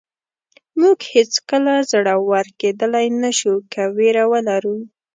موږ هېڅکله زړور کېدلی نه شو که وېره ولرو.